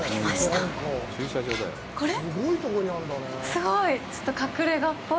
すごい！